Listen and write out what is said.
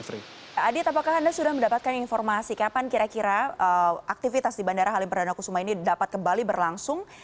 adit apakah anda sudah mendapatkan informasi kapan kira kira aktivitas di bandara halim perdana kusuma ini dapat kembali berlangsung